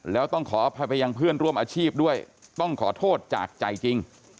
แล้วต้องขออภัยไปยังเพื่อนร่วมอาชีพด้วยต้องขอโทษจากใจจริง